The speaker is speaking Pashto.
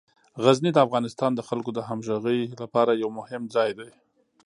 غزني د افغانستان د خلکو د همغږۍ لپاره یو مهم ځای دی.